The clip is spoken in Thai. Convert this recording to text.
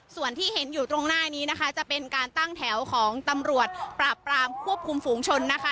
ส่วนที่เห็นอยู่ตรงหน้านี้นะคะจะเป็นการตั้งแถวของตำรวจปราบปรามควบคุมฝูงชนนะคะ